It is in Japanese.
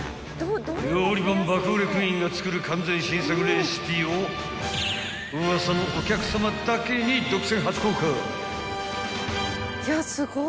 ［料理本爆売れクイーンが作る完全新作レシピを『ウワサのお客さま』だけに独占初公開］